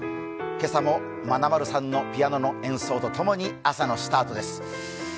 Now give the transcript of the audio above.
今朝も、まなまるさんのピアノとともに朝のスタートです。